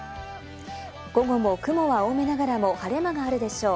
午後も雲は多めながらも晴れ間があるでしょう。